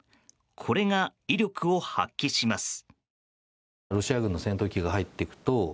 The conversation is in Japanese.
これが威力を発揮します。